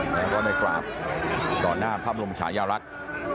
แล้วก็ได้กราบต่อหน้าพระบรมชายลักษณ์